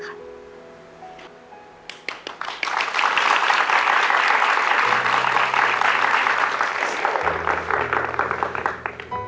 แต่ที่แม่ก็รักลูกมากทั้งสองคน